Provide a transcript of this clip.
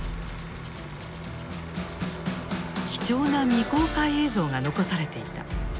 貴重な未公開映像が残されていた。